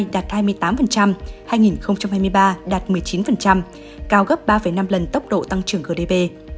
hai nghìn hai mươi hai đạt hai mươi tám hai nghìn hai mươi ba đạt một mươi chín cao gấp ba năm lần tốc độ tăng trưởng gdp